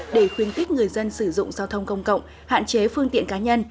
để khuyến khích người dân sử dụng giao thông công cộng hạn chế phương tiện cá nhân